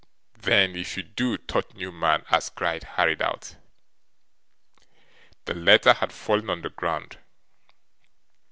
then, if you do,' thought Newman, as Gride hurried out. The letter had fallen on the ground.